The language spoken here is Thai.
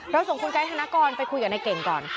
ส่งคุณไกด์ธนกรไปคุยกับนายเก่งก่อน